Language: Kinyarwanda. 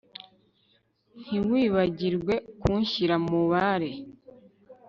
Ntiwibagirwe kunshyira mubare